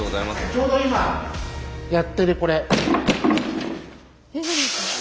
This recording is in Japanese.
ちょうど今やってるこれ。